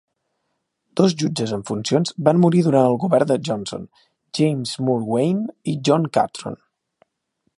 Dos jutges en funcions van morir durant el govern de Johnson, James Moore Wayne i John Catron.